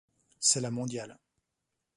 C'est la mondiale.